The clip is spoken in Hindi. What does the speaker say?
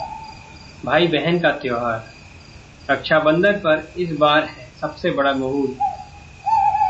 भाई-बहन का त्योहार: रक्षाबंधन पर इस बार है सबसे बड़ा मुहूर्त